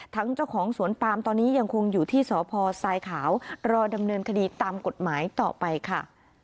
เจ้าของสวนปามตอนนี้ยังคงอยู่ที่สพทรายขาวรอดำเนินคดีตามกฎหมายต่อไปค่ะ